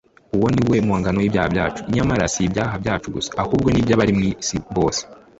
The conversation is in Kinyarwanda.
Uwo ni we mpongano y’ibyaha byacu, nyamara si ibyaha byacu gusa ahubwo ni iby’abari mu isi bose.